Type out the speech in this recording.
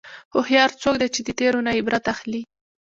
هوښیار څوک دی چې د تېرو نه عبرت اخلي.